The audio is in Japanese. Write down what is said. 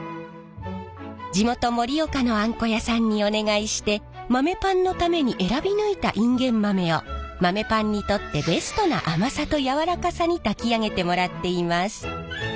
地元盛岡のあんこ屋さんにお願いして豆パンのために選び抜いたインゲン豆を豆パンにとってベストな甘さとやわらかさに炊き上げてもらっています。